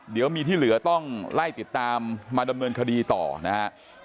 เดี๋ยวมีที่เหลือต้องไล่ติดตามมาดำเนินคดีต่อนะครับ